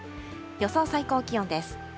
予想最高気温です。